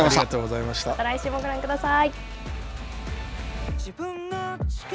来週もご覧ください。